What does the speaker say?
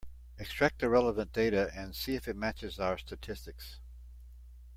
Extract the relevant data and see if it matches our statistics.